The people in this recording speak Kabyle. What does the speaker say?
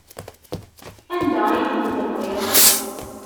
Anda ay ten-tenɣiḍ?